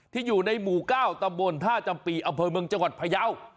ที่อยู่ในหมู่ก้าวตำบลท่าจัมปีอเภอมเมืองจังหวัดพระเยาะ